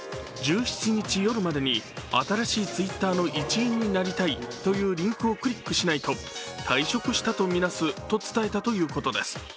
１７日夜までに、「新しいＴｗｉｔｔｅｒの一員になりたい」というリンクをクリックしないと退職したとみなすと伝えたということです。